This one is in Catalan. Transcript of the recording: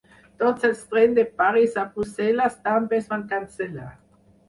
Tots els trens de París a Brussel·les també es van cancel·lar.